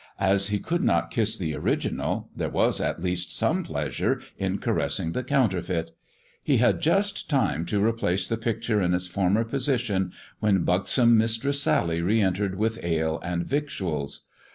As he could not kiss the original there was at least some pleasure in caressing the counterfeit. He had just time to replace the picture in its former position when buxom Mistress Sally re entered with ale and victuals.